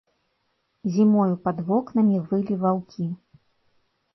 Зімою пад вокнамі вылі ваўкі.